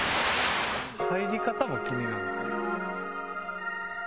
「入り方も気になる」